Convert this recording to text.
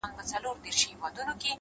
څوک چي له گلاب سره ياري کوي ـ